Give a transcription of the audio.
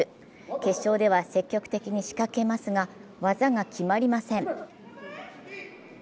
決勝では積極的に仕掛けますが、技が決まりません。